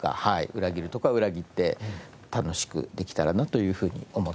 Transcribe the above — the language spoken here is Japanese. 裏切るところは裏切って楽しくできたらなというふうに思っております。